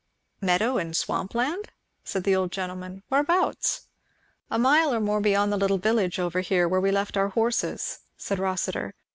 "Meadow and swamp land?" said the old gentleman. "Whereabouts?" "A mile or more beyond the little village over here where we left our horses," said Rossitur.